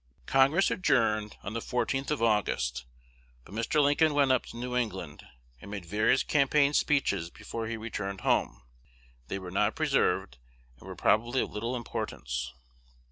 Congress adjourned on the 14th of August; but Mr. Lincoln went up to New England, and made various campaign speeches before he returned home. They were not preserved, and were probably of little importance.